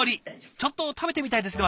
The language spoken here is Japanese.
ちょっと食べてみたいですね